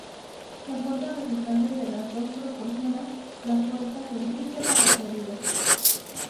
La fuerza resultante de las dos proporciona la fuerza centrípeta requerida.